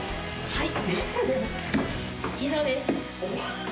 はい。